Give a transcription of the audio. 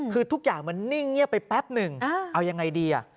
คือทุกอย่างมันนิ่งเงียบไปแป๊บหนึ่งเอายังไงดี